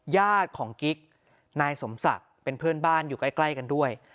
ญาติของกิ๊กนายสมศักดิ์เป็นเพื่อนบ้านอยู่ใกล้กันด้วย